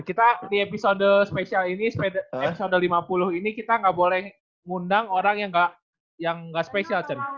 kita di episode spesial ini episode lima puluh ini kita nggak boleh ngundang orang yang nggak spesial sih